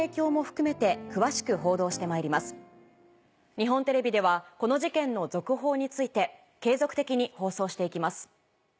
日本テレビではこの事件の続報について継続的に放送していきます。